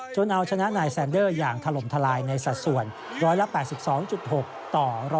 เอาชนะนายแซนเดอร์อย่างถล่มทลายในสัดส่วน๑๘๒๖ต่อ๑๐